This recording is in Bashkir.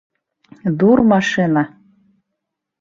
Ҙур машина!